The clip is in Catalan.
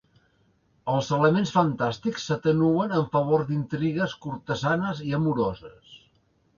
Els elements fantàstics s'atenuen en favor d'intrigues cortesanes i amoroses.